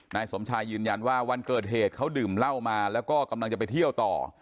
นายสมชายยืนยันว่าวันเกิดเหตุเขาดื่มเหล้ามาแล้วก็กำลังจะไปเที่ยวต่อ